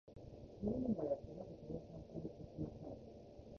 よりにもよって、なぜこれを参考にしてしまったのか